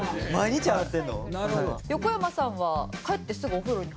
横山さんは帰ってすぐお風呂に入ります？